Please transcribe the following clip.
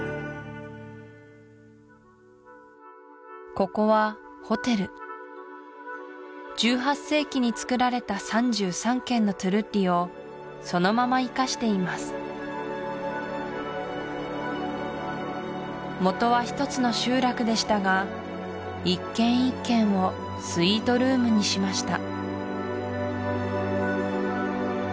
ここはホテル１８世紀につくられた３３軒のトゥルッリをそのまま生かしていますもとは一つの集落でしたが一軒一軒をスイートルームにしました